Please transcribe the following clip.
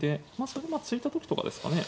それまあ突いた時とかですかね。